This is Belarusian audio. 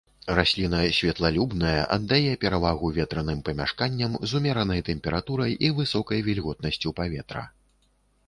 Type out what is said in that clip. Расліна святлалюбная, аддае перавагу ветраным памяшканням з умеранай тэмпературай і высокай вільготнасцю паветра.